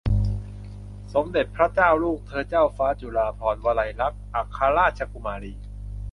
สมเด็จพระเจ้าลูกเธอเจ้าฟ้าจุฬาภรณวลัยลักษณ์ อัครราชกุมารี